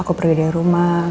aku pergi dari rumah